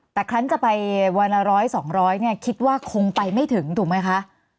แต่ครั้งจะไปวันละ๑๐๐๒๐๐เนี่ยคิดว่าคงไปไม่ถึงถูกไหมคะ